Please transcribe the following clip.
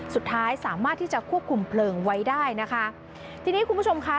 สุดท้ายสามารถที่จะควบคุมเพลิงไว้ได้นะคะทีนี้คุณผู้ชมค่ะ